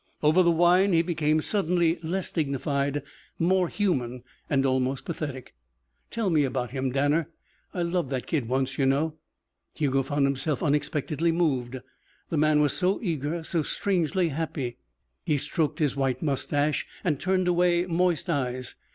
Over the wine he became suddenly less dignified, more human, and almost pathetic. "Tell me about him, Danner. I loved that kid once, you know." Hugo found himself unexpectedly moved. The man was so eager, so strangely happy. He stroked his white moustache and turned away moist eyes.